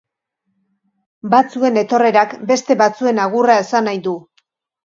Batzuen etorrerak, beste batzuen agurra esan nahi du.